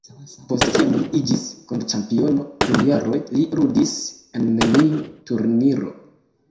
Post kiam li iĝis mondĉampiono, dum jaroj li ludis en neniu turniro.